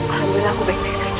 alhamdulillah aku baik baik saja